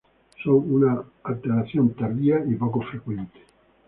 Son una alteración tardía y poco frecuente.